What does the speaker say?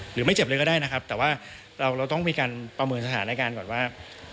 หรือไม่เจ็บเลยก็ได้นะครับแต่ว่าเราต้องมีการประเมินสถานการณ์ก่อนว่า